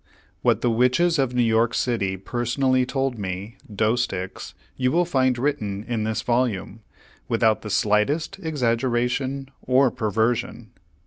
What the Witches of New York City personally told me, Doesticks, you will find written in this volume, without the slightest exaggeration or perversion.